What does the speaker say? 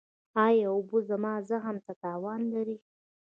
ایا اوبه زما زخم ته تاوان لري؟